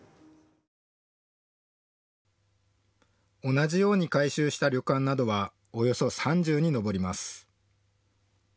同じように改修した旅館などはおよそ３０に上ります。